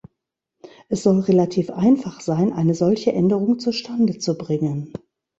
Es soll relativ einfach sein, eine solche Änderung zustande zu bringen.